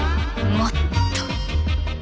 もっと。